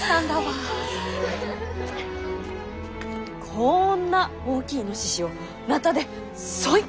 こんな大きいイノシシを鉈でそいっ！